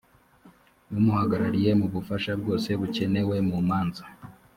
umuhagarariye m ubufasha bwose bukenewe mu manza